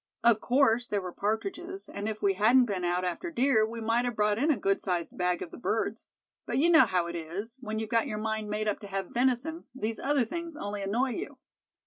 "Of course, there were partridges, and if we hadn't been out after deer we might have brought in a good sized bag of the birds. But you know how it is—when you've got your mind made up to have venison, these other things only annoy you."